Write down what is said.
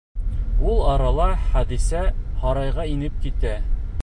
Ул арала Хәҙисә һарайға инеп китә.